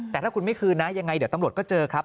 แต่ถ้าคุณไม่คืนนะยังไงเดี๋ยวตำรวจก็เจอครับ